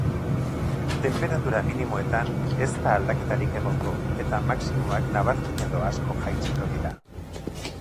Tenperatura minimoetan ez da aldaketarik egongo eta maximoak nabarmen edo asko jaitsiko dira.